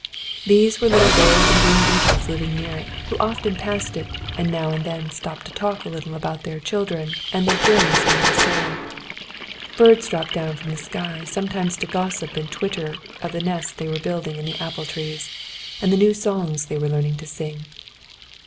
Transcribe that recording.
These were little gold and green beetles living near it, who often passed it, and now and then stopped to talk a little about their children and their journeys under the soil. Birds dropped down from the sky sometimes to gossip and twitter of the nests they were building in the apple trees, and the new songs they were learning to sing.